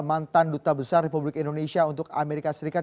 mantan duta besar republik indonesia untuk amerika serikat